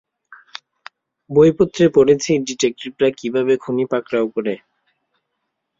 বইপত্রে পড়েছি ডিটেকটিভরা কী করে খুনী পাকড়াও করে।